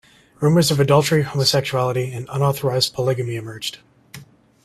Rumors of adultery, homosexuality, and unauthorized polygamy emerged.